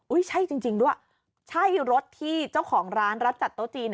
ใช่จริงด้วยใช่รถที่เจ้าของร้านรับจัดโต๊ะจีน